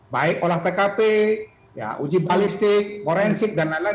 baik olah tkp uji balistik forensik dan lain lain